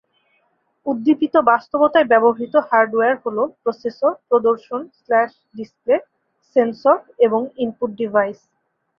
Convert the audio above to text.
উদ্দীপিত বাস্তবতায় ব্যবহৃত হার্ডওয়্যার হল: প্রসেসর, প্রদর্শন /ডিসপ্লে, সেন্সর এবং ইনপুট ডিভাইস।